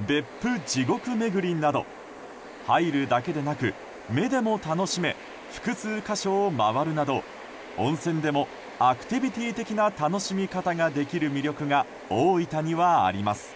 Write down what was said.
別府地獄めぐりなど入るだけでなく目でも楽しめ複数箇所を回るなど温泉でもアクティビティー的な楽しみ方ができる魅力が大分にはあります。